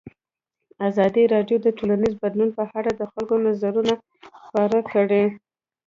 ازادي راډیو د ټولنیز بدلون په اړه د خلکو نظرونه خپاره کړي.